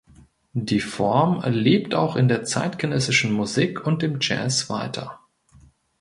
Die Form lebt auch in der zeitgenössischen Musik und im Jazz weiter.